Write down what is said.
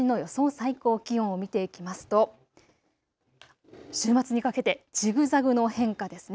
最高気温を見ていきますと週末にかけてジグザグの変化ですね。